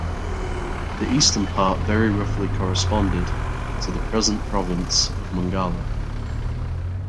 The eastern part very roughly corresponded to the present province of Mongala.